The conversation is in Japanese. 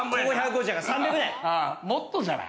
もっとじゃない？